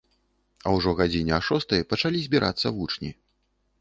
А ўжо гадзіне а шостай пачалі збірацца вучні.